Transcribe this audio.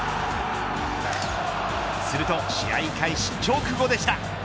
すると試合開始直後でした。